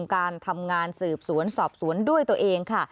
การทำงานสืบสวนสอบสวนด้วยตัวเองค่ะ